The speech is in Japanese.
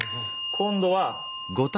今度は。